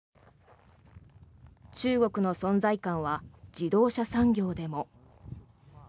中国の存在感は自動車産業でも。